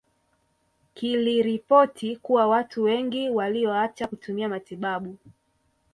Kiliripoti kuwa watu wengi walioacha kutumia matibabu